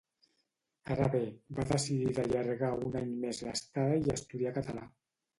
Ara bé, va decidir d’allargar un any més l’estada i estudiar català.